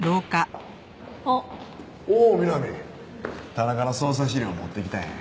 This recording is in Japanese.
田中の捜査資料持ってきたんや。